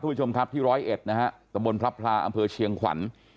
ผู้ชมครับที่๑๐๑นะฮะตระบลพระพลาอำเภอเชียงขวัญ